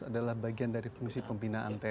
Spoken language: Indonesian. adalah bagian dari fungsi pembinaan tni